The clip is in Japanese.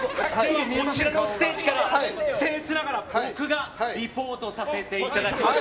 こちらのステージから僭越ながら僕がリポートさせていただきます。